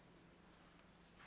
gak ada apa apa